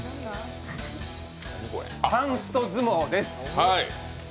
パンスト相撲です。